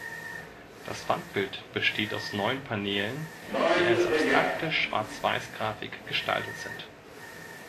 Das Wandbild besteht aus neun Paneelen, die als abstrakte Schwarzweiß-Grafik gestaltet sind.